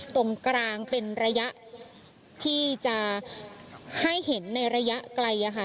ตรงกลางเป็นระยะที่จะให้เห็นในระยะไกล